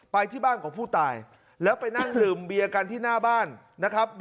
ไปที่บ้านของผู้ตายแล้วไปนั่งดื่มเบียกันที่หน้าบ้านนะครับ